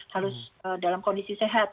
harus dalam kondisi sehat